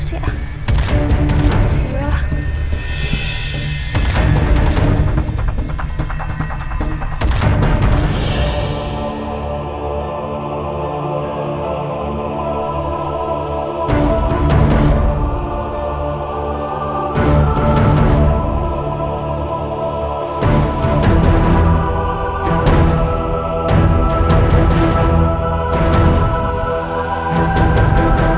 sial ada alusnya